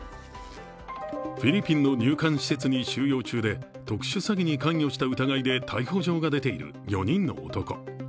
フィリピンの入管施設に収容中で特殊詐欺に関与した疑いで逮捕状が出ている４人の男。